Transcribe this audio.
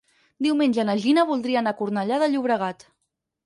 Diumenge na Gina voldria anar a Cornellà de Llobregat.